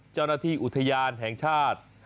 เจ้าหน้าที่อุทยานแห่งชาติ